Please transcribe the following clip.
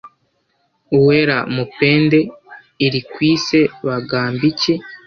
Uwera Mupende iri kwise Bangambiki